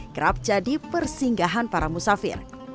kerap jadi persinggahan para musafir